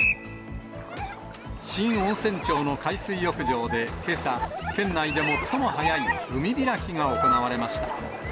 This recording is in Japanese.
新温泉町の海水浴場でけさ、県内で最も早い海開きが行われました。